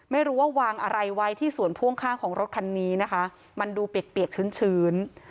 ไม่รู้ว่าวางอะไรไว้ที่ส่วนพ่วงข้างของรถคันนี้นะคะมันดูเปียกชื้นชื้น